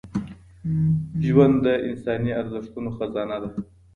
ژوند د انساني ارزښتونو خزانه ده